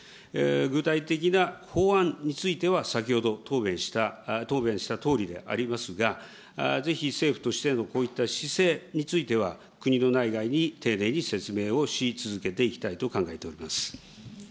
具体的な法案については先ほど答弁したとおりでありますが、ぜひ政府としてのこういった姿勢については、国の内外に丁寧に説明をし続けていきたいと考えております。